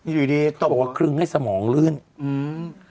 อยู่ดีตบครึ่งให้สมองลื่นอืม